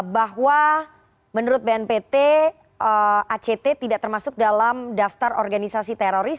bahwa menurut bnpt act tidak termasuk dalam daftar organisasi teroris